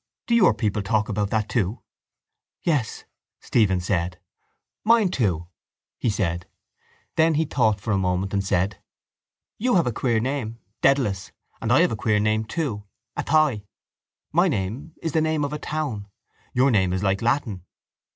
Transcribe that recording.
Do your people talk about that too? —Yes, Stephen said. —Mine too, he said. Then he thought for a moment and said: —You have a queer name, Dedalus, and I have a queer name too, Athy. My name is the name of a town. Your name is like Latin.